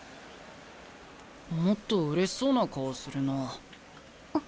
もっとうれしそうな顔するなあ。